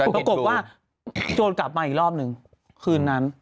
ปรากฏว่าโจรกลับมาอีกรอบหนึ่งคืนนั้น